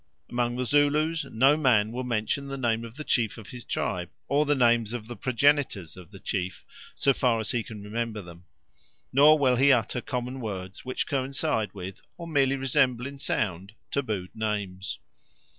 Among the Zulus no man will mention the name of the chief of his tribe or the names of the progenitors of the chief, so far as he can remember them; nor will he utter common words which coincide with or merely resemble in sound tabooed names.